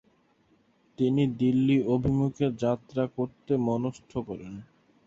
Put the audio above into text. তিনি দিল্লী অভিমুখে যাত্রা করতে মনস্থ করেন।